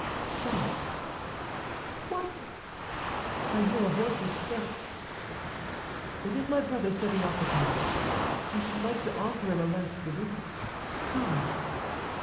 "Stop—" "What?" "I hear a horse's steps; it is my brother setting off again. I should like to offer him a last salute. Come!"